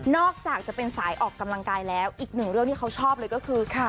อกจากจะเป็นสายออกกำลังกายแล้วอีกหนึ่งเรื่องที่เขาชอบเลยก็คือ